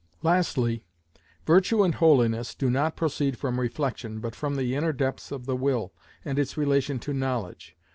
Lastly, virtue and holiness do not proceed from reflection, but from the inner depths of the will, and its relation to knowledge.